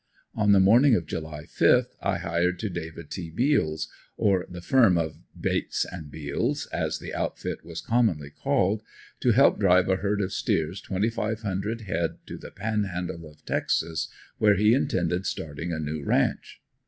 On the morning of July fifth I hired to David T. Beals or the firm of Bates & Beals, as the outfit was commonly called to help drive a herd of steers, twenty five hundred head, to the Panhandle of Texas, where he intended starting a new ranch.